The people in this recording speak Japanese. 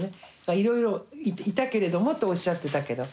いろいろいたけれどもとおっしゃってたけど。